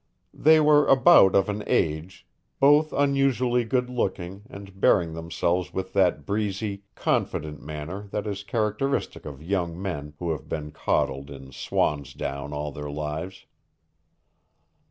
They were about of an age, both unusually good looking and bearing themselves with that breezy, confident manner that is characteristic of young men who have been coddled in swan's down all their lives.